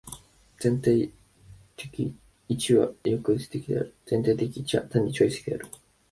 全体的一は抑圧的である。全体的一は単に超越的である。